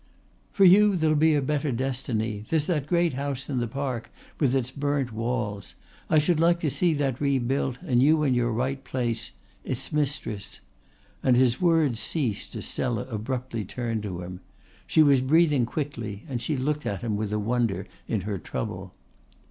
"For you there'll be a better destiny. There's that great house in the Park with its burnt walls. I should like to see that rebuilt and you in your right place, its mistress." And his words ceased as Stella abruptly turned to him. She was breathing quickly and she looked at him with a wonder in her trouble.